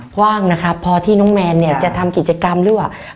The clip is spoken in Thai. ว่างนะครับพอที่น้องแมนเนี่ยจะทำกิจกรรมหรือว่า